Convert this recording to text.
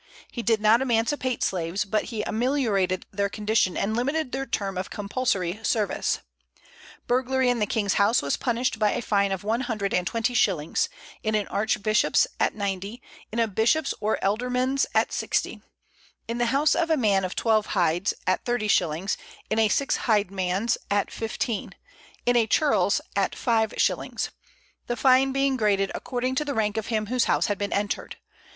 He did not emancipate slaves, but he ameliorated their condition and limited their term of compulsory service. Burglary in the king's house was punished by a fine of one hundred and twenty shillings; in an archbishop's, at ninety; in a bishop's or ealdorman's, at sixty; in the house of a man of twelve hydes, at thirty shillings; in a six hyde man's, at fifteen; in a churl's, at five shillings, the fine being graded according to the rank of him whose house had been entered.